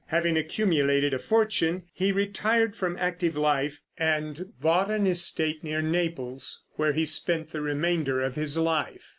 Having accumulated a fortune, he retired from active life, and bought an estate near Naples, where he spent the remainder of his life.